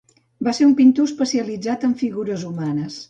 Va ser un pintor especialitzat en figures humanes.